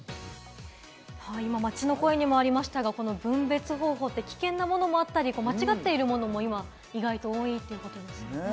今、街の声にもありましたが、この分別方法で危険なものもあったり間違っているものも今、意外と多いんですね。